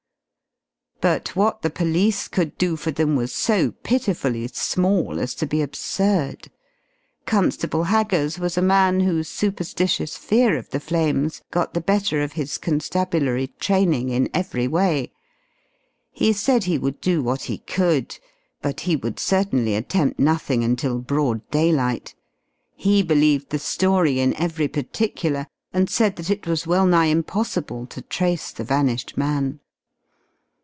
But what the police could do for them was so pitifully small as to be absurd. Constable Haggers was a man whose superstitious fear of the flames got the better of his constabulary training in every way. He said he would do what he could, but he would certainly attempt nothing until broad daylight. He believed the story in every particular and said that it was well nigh impossible to trace the vanished man.